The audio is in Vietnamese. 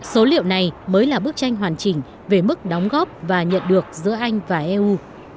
số liệu này mới là bức tranh hoàn chỉnh về mức đóng góp và nhận được giữa anh và eu